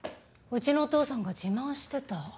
うちのお父さんが自慢してた。